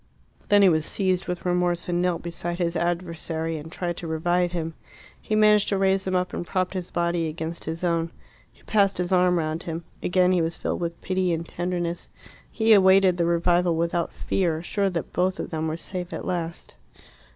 Then he was seized with remorse, and knelt beside his adversary and tried to revive him. He managed to raise him up, and propped his body against his own. He passed his arm round him. Again he was filled with pity and tenderness. He awaited the revival without fear, sure that both of them were safe at last.